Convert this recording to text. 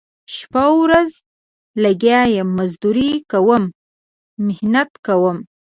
شپه ورځ لګیا یم مزدوري کوم محنت کومه